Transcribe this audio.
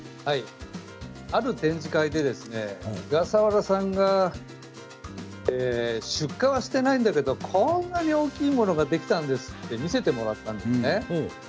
ある展示会で菅佐原さんが出荷はしていないんだけどこんなに大きいものができたんですと見せてもらったんですね。